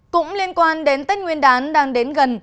cũng liên quan đến tết nguyên đán đang đến gần